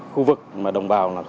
khu vực mà đồng bào